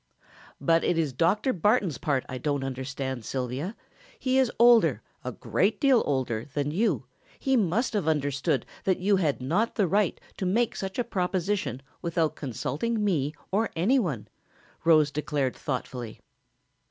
"But it is Dr. Barton's part I don't understand, Sylvia; he is older, a great deal older, than you, he must have understood that you had not the right to make such a proposition without consulting me or any one," Rose declared thoughtfully.